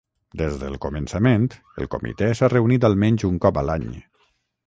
Des del començament, el comitè s'ha reunit almenys un cop a l'any.